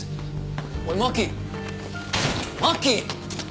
おい真木真木！